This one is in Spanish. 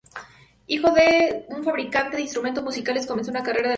Hijo de un fabricante de instrumentos musicales, comenzó una carrera de violinista.